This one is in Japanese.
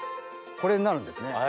これになるんですね。